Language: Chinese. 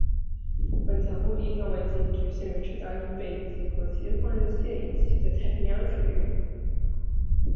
本条目的范围仅局限于赤道以北及国际换日线以西的太平洋水域。